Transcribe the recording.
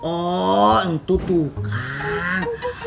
oh itu tuh kak